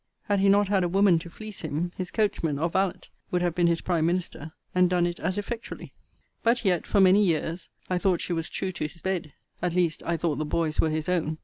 Had he not had a woman to fleece him, his coachman or valet, would have been his prime minister, and done it as effectually. But yet, for many years, I thought she was true to his bed. At least I thought the boys were his own.